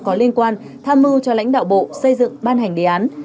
có liên quan tham mưu cho lãnh đạo bộ xây dựng ban hành đề án